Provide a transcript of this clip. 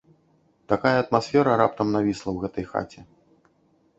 Такая атмасфера раптам навісла ў гэтай хаце.